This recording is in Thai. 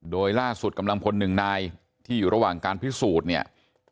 โดยล่าสุดกำลังพลหนึ่งนายที่อยู่ระหว่างการพิสูจน์เนี่ย